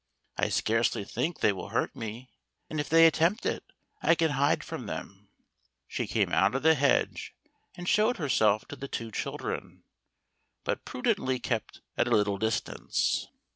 I scarcely think they will hurt nie, and if they attempt it I can hide from them." She came out of the hedge, and showed her self to the two children, but prudently kept at a little distance.